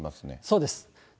そうです。